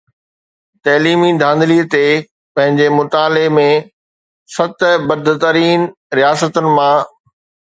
تعليمي ڌانڌلي تي پنهنجي مطالعي ۾ ست بدترين رياستن مان